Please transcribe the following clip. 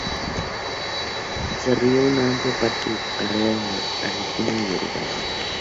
Desarrolló una amplia parte de su carrera en Argentina y Uruguay.